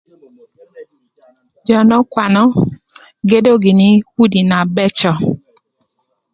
Jö n'ökwanö gedo gïnï udi na bëcö.